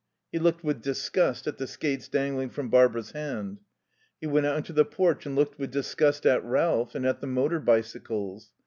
He looked with disgust at the skates dangling from Barbara's hand. He went out into the porch and looked with disgust at Ralph and at the motor bicycles.